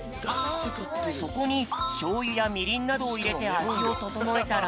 そこにしょうゆやみりんなどをいれてあじをととのえたら。